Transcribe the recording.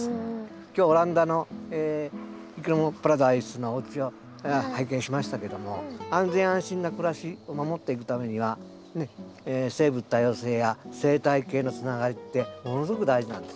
今日オランダのいきものパラダイスのおうちを拝見しましたけども安全安心な暮らしを守っていくためには生物多様性や生態系のつながりってものすごく大事なんですね。